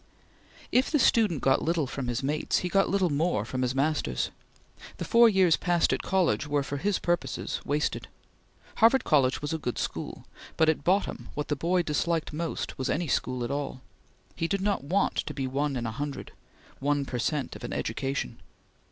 If the student got little from his mates, he got little more from his masters. The four years passed at college were, for his purposes, wasted. Harvard College was a good school, but at bottom what the boy disliked most was any school at all. He did not want to be one in a hundred one per cent of an education.